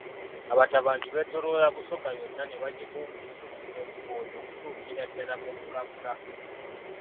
Abatabaazi beetooloola Busoga yonna ne bagikumiriza okuva e Bukooli okutuukira ddala mu Bugabula.